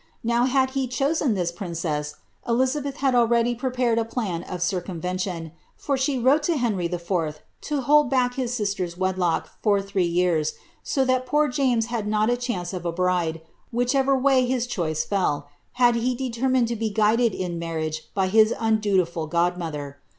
Now, had he chosen this princess, Elizabeth had already prepared a plan of circum vention, for she wrote to Henry IV. to hold back his sister's wedlock for three years, so that poor James had not a chance of a bride, which ever way his choice fell, had he determined to be guided in marriage by his undutiful godmother.